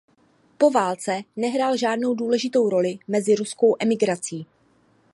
Po válce nehrál žádnou důležitou roli mezi ruskou emigrací.